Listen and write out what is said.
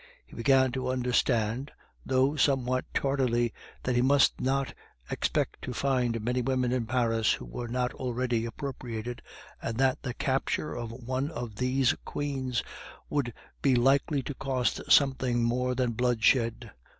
He began to understand, though somewhat tardily, that he must not expect to find many women in Paris who were not already appropriated, and that the capture of one of these queens would be likely to cost something more than bloodshed.